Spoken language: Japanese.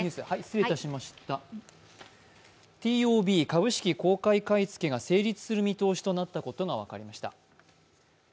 ＴＯＢ＝株式公開買い付けが成立する見通しとなったことが分かりました。